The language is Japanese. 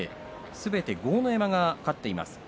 すべて豪ノ山が勝っています。